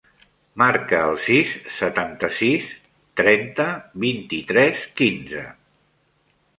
Marca el sis, setanta-sis, trenta, vint-i-tres, quinze.